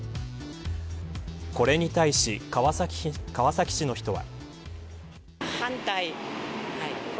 これに対し川崎市の人は。